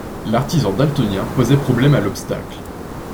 L'artisan daltonien posait problème à l'obstacle.